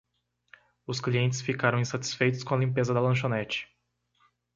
Os clientes ficaram insatisfeitos com a limpeza da lanchonete